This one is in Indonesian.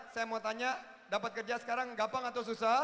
saya mau tanya dapat kerja sekarang gampang atau susah